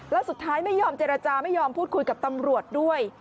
แล้วสุดท้ายไม่ยอมเจรจาไม่ยอมพูดคุยกับตำรวจด้วย